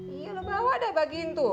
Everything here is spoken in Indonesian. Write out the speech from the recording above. iya lu bawa deh bagiin tuh